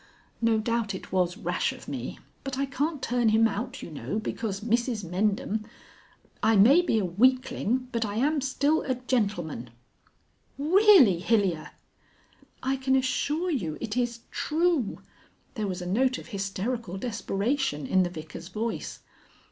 No doubt it was rash of me. But I can't turn him out, you know, because Mrs Mendham I may be a weakling, but I am still a gentleman." "Really, Hilyer " "I can assure you it is true." There was a note of hysterical desperation in the Vicar's voice.